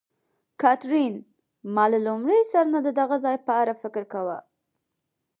کاترین: ما له لومړي سر نه د دغه ځای په اړه فکر کاوه.